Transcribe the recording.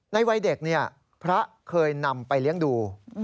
ในวัยเด็กพระเคยนำไปเลี้ยงดู